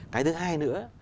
cái thứ hai nữa